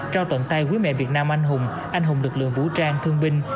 trao tận tay quý mẹ việt nam anh hùng anh hùng lực lượng vũ trang thương binh